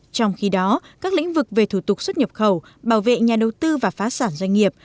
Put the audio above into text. trong khi đó các lĩnh vực về thủ tục xuất nhập khẩu bảo vệ nhà đầu tư và phá sản doanh nghiệp